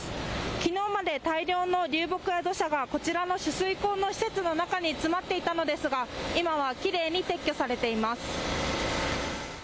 きのうまで大量の流木や土砂がこちらの取水口の施設の中に詰まっていたのですが、今はきれいに撤去されています。